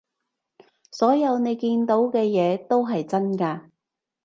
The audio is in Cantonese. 所有你見到嘅嘢都係真㗎